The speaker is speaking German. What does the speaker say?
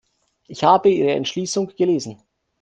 Ich habe Ihre Entschließung gelesen.